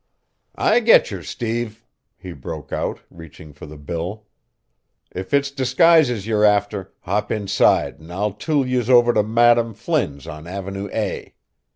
"I getcher, Steve," he broke out, reaching for the bill. "If it's disguises ye're after hop inside an' I'll tool youse over to Mme. Flynn's on Avenue A."